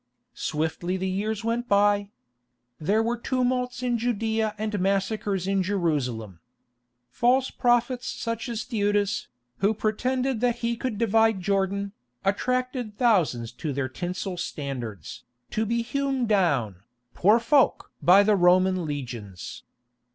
Swiftly the years went by. There were tumults in Judæa and massacres in Jerusalem. False prophets such as Theudas, who pretended that he could divide Jordan, attracted thousands to their tinsel standards, to be hewn down, poor folk! by the Roman legions.